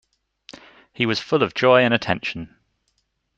He was full of joy and attention.